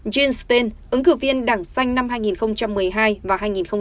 jean stein ứng cử viên đảng xanh năm hai nghìn một mươi hai và hai nghìn một mươi sáu